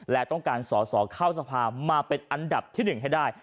และต้องการสอสอเข้าสภามาเป็นอันดับที่๑ให้ได้